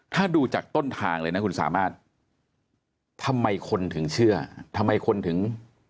ถ้าดูจากต้นทางเลยนะคุณสามารถทำไมคนถึงเชื่อทำไมคนถึง